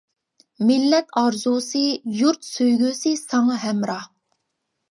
مىللەت ئارزۇسى، يۇرت سۆيگۈسى ساڭا ھەمراھ.